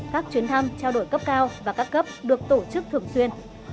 các chuyến thăm trao đổi cấp cao và các cấp được tổ chức thường xuyên